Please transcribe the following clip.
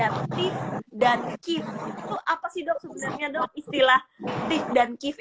vaksin tif dan kif itu apa sih dok sebenarnya dok istilah tif dan kif itu